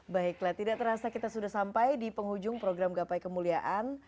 baiklah tidak terasa kita sudah sampai di penghujung program gapai kemuliaan